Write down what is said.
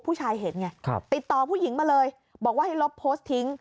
ผู้ชายเห็นไงติดต่อผู้หญิงมาเลยบอกว่าให้ลบโพสต์ทิ้ง